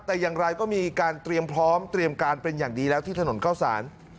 แต่อย่างไรก็มีการเตรียมพร้อมเตรียมการเป็นอย่างดีแล้วที่ถนนเข้าสาร